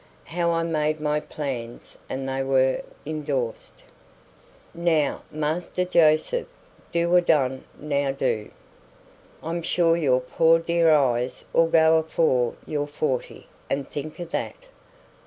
HOW I MADE MY PLANS AND THEY WERE ENDORSED. "Now, Master Joseph, do adone now, do. I'm sure your poor dear eyes'll go afore you're forty, and think of that!"